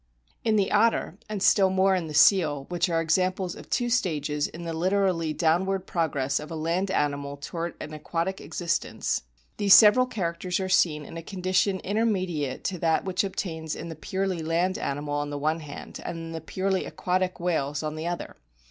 In the otter, and still more in the seal, which are examples of two stages in the literally downward pro gress of a land animal towards an aquatic existence, 56 A BOOK OF WHALES these several characters are seen in a condition inter mediate to that which obtains in the purely land animal on the one hand, and in the purely aquatic whales on the other.